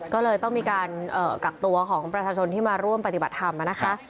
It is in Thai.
ก็เลยต้องมีการกักตัวของประชาชนที่มาร่วมปฏิบัติธรรมนะคะ